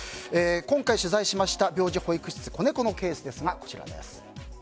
今回取材した病児保育室こねこのケースです。